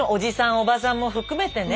おばさんも含めてね